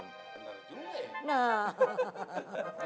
bener juga ya